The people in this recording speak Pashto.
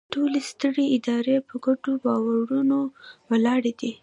ټولې سترې ادارې په ګډو باورونو ولاړې دي.